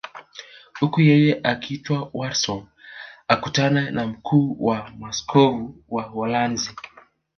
Huku yeye akiitwa Warsaw akutane na mkuu wa maaskofu wa Uholanzi